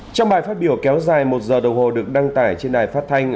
trong bài phát biểu kéo dài một giờ đồng hồ được đăng tải trên đài phát thanh